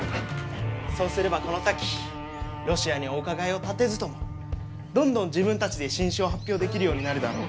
そうすればこの先ロシアにお伺いを立てずともどんどん自分たちで新種を発表できるようになるだろう？